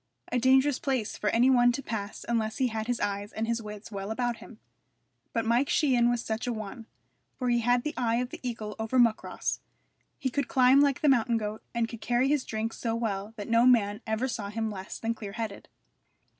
A dangerous place for any one to pass unless he had his eyes and his wits well about him; but Mike Sheehan was such a one, for he had the eye of the eagle over Muckross, he could climb like the mountain goat, and could carry his drink so well that no man ever saw him less than clear headed.